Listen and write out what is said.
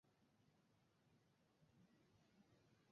শহরে একটি হাসপাতাল রয়েছে।